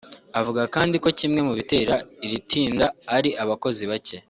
Avuga kandi ko kimwe mu bitera iri tinda ari abakozi bacye